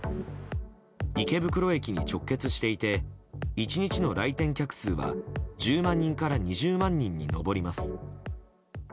池袋駅に直結していて１日の来店客数は１０万人から２０万人に上ります。